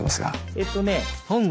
えっとね。